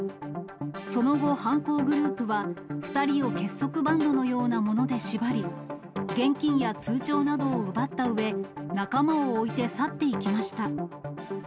その後、犯行グループは２人を結束バンドのようなもので縛り、現金や通帳などを奪ったうえ、仲間を置いて去っていきました。